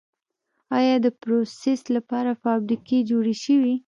آیا دپروسس لپاره فابریکې جوړې شوي؟